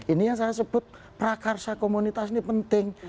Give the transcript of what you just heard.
ini yang saya sebut prakarsa komunitas ini penting